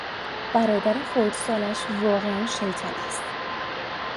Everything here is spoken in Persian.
برادر خردسالش واقعا شیطان است.